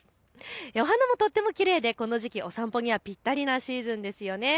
お花もとってもきれいでこの時期お散歩にはぴったりなシーズンですね。